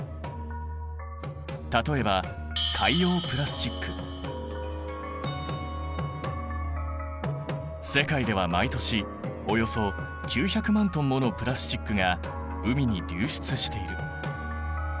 例えば世界では毎年およそ９００万トンものプラスチックが海に流出している。